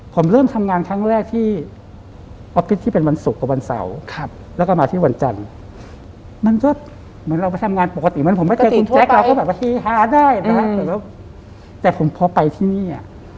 ผมเริ่มทำงานทั้งแรกที่